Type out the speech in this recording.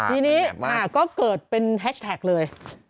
ทีนี้ก็เกิดเป็นแฮชแท็กเลย